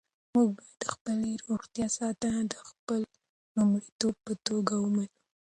موږ باید د خپلې روغتیا ساتنه د خپل لومړیتوب په توګه ومنو.